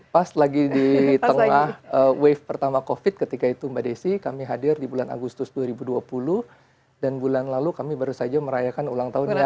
pas lagi di tengah wave pertama covid ketika itu mbak desi kami hadir di bulan agustus dua ribu dua puluh dan bulan lalu kami baru saja merayakan ulang tahunnya